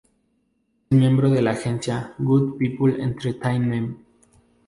Es miembro de la agencia "Good People Entertainment".